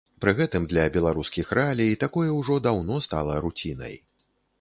Пры гэтым для беларускіх рэалій такое ўжо даўно стала руцінай.